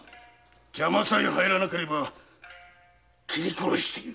邪魔さえ入らなければ斬り殺している！